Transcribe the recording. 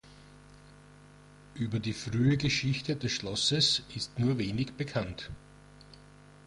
Über die frühe Geschichte des Schlosses ist nur wenig bekannt.